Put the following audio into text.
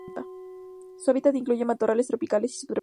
Su hábitat incluye matorrales tropicales y subtropicales.